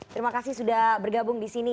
terima kasih sudah bergabung di sini